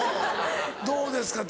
どうですか？